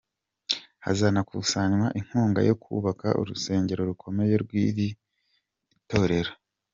Hazanakusanywa inkunga yo kubaka urusengero rukomeye rw’iri torero.